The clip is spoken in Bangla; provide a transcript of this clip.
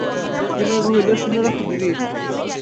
বিনয় কহিল, শুনে রাখো দিদি!